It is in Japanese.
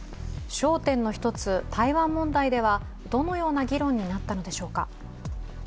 焦点の一つ、台湾問題ではどのような議論になったのでしょうか。